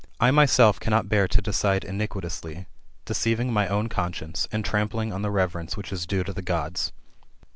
I myself cannot bear to decide iniquitously, deceiving my own con science, and trampling on the reverence which is due to the Gods.